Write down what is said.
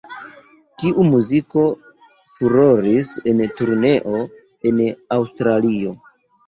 Tiu muziko furoris en turneo en Aŭstralio.